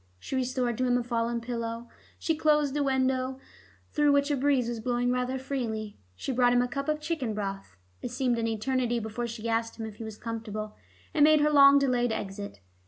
She restored to him a fallen pillow, she closed a window through which a breeze was blowing rather freely, she brought him a cup of chicken broth. It seemed an eternity before she asked him if he was comfortable, and made her long delayed exit.